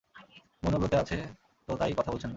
মৌনব্রতে আছে তো তাই কথা বলছেন না।